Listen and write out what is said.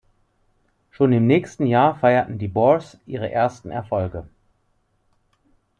Schon im nächsten Jahr feierten die Boars ihre ersten Erfolge.